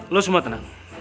lo semua tenang